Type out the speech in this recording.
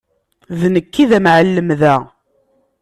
D nekk i d amεellem da.